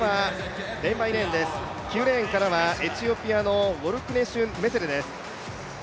９レーンからはエチオピアのウォルクネシュ・メセレです。